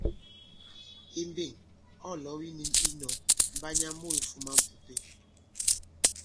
Ì mbeŋ, ɔ̌ lɔ̌w yi nĩn yī nɔ̄, Mbanya mu yifūmā m̀pùpe.